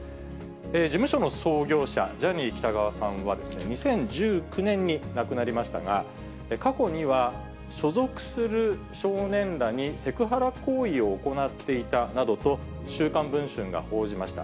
事務所の創業者、ジャニー喜多川さんは２０１９年に亡くなりましたが、過去には、所属する少年らにセクハラ行為を行っていたなどと、週刊文春が報じました。